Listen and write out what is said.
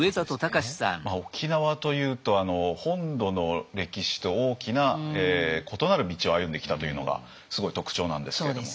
沖縄というと本土の歴史と大きな異なる道を歩んできたというのがすごい特徴なんですけれども。